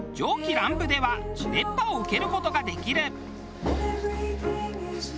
乱舞では熱波を受ける事ができる。